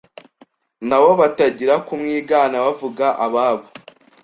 nabo batangira kumwigana bavuga ababo,